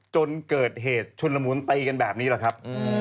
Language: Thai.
จนเกิดเหตุชุนละมุนตีกันแบบนี้แหละครับ